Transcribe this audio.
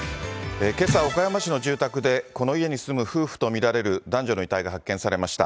けさ、岡山市の住宅で、この家に住む夫婦と見られる男女の遺体が発見されました。